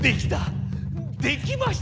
できましたぞ！